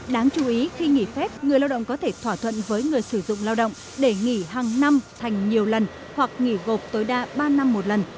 đáng chú ý khi nghỉ phép người lao động có thể thỏa thuận với người sử dụng lao động để nghỉ hàng năm thành nhiều lần hoặc nghỉ gộp tối đa ba năm một lần